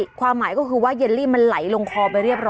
นางขกาใหม่คือว่าเรื่องนี้